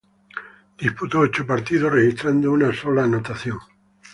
Disputó ocho partidos registrando una única anotación.